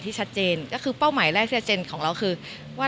ชัดเจนก็คือเป้าหมายแรกที่ชัดเจนของเราคือว่า